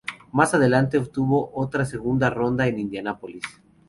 Más adelante obtuvo otra segunda ronda en Indianápolis.